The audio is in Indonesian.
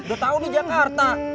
udah tau di jakarta